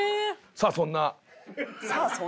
「さあそんな」？